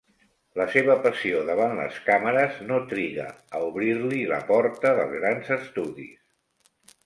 La seva passió davant les càmeres no triga a obrir-li la porta dels grans estudis.